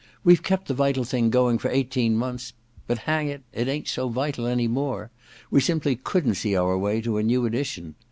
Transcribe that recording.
We've kept Thc Vital Thing " going for eighteen months — but, hang it, it ain't so vital any more. We simply couldn't see our way to a new edition.